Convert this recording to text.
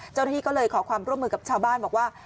เจ้าหน้าที่ก็เลยขอความร่วมมือกับชาวบ้านบอกว่า